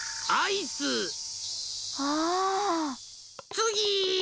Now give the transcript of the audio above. つぎ。